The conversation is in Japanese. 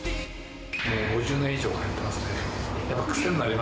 もう５０年以上通ってますね。